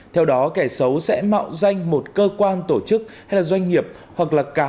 theo đó kẻ xấu sẽ mạo danh một cơ quan tổ chức hay doanh nghiệp hoặc là các cơ quan tổ chức